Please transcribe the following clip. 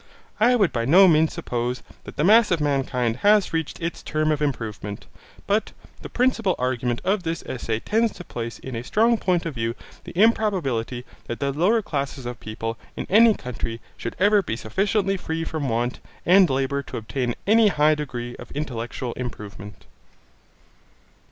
I would by no means suppose that the mass of mankind has reached its term of improvement, but the principal argument of this essay tends to place in a strong point of view the improbability that the lower classes of people in any country should ever be sufficiently free from want and labour to obtain any high degree of intellectual improvement.